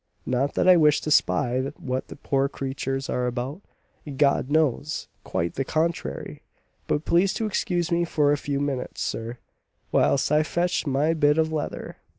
Not that I wish to spy what the poor creatures are about, God knows, quite the contrary. But please to excuse me for a few minutes, sir, whilst I fetch my bit of leather.